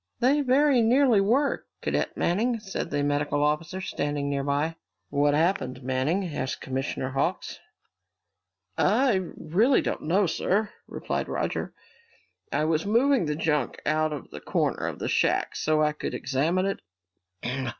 "They very nearly were, Cadet Manning," said the medical officer, standing near by. "What happened, Manning?" asked Commissioner Hawks. "I really don't know, sir," replied Roger. "I was moving the junk out of the corner of the shack so I could examine it.